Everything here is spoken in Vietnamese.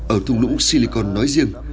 ở thung lũ silicon nói riêng